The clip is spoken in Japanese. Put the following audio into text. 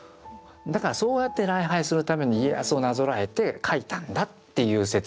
だからそうやって礼拝するために家康をなぞらえて描いたんだっていう説。